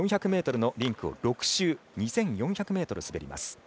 ４００ｍのリンクを６周、２４００ｍ滑ります。